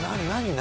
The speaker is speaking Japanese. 何？